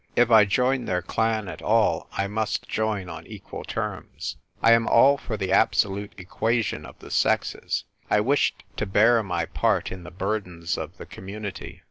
If I joined their clan at all I must join on equal terms. I am all for the absolute equation of the sexes. I wished to bear my part in the burdens of the Community.